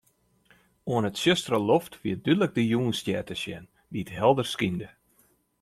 Oan 'e tsjustere loft wie dúdlik de Jûnsstjer te sjen, dy't helder skynde.